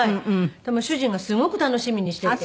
主人がすごく楽しみにしてて。